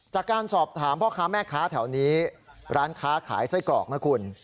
จากการสอบถามพ่อค้าแม่ค้าแถวนี้ร้านค้าขายไส้กรอกนะคุณ